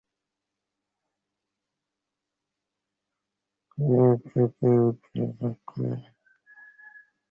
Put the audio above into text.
যে-ব্যক্তি জগতে মৃত্যু দেখে, তাহার জীবন তো দুঃখময়।